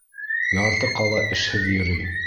Ярты ҡала эшһеҙ йөрөй.